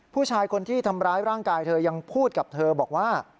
ผู้ชายคนที่ทำร้ายร่างกายเธอยังพูดกับเธอบอกว่า